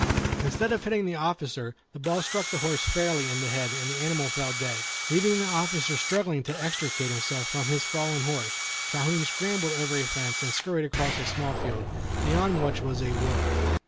Instead of hitting the officer, the ball struck the horse fairly in the head, and the animal fell dead. Leaving the officer struggling to extricate himself from his fallen horse, Calhoun scrambled over a fence, and scurried across a small field, beyond which was a wood.